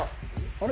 あれ？